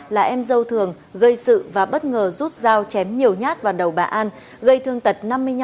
là em dâu thường gây sự và bất ngờ rút dao chém nhiều nhát vào đầu bà an gây thương tật năm mươi năm